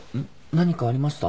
何かありました？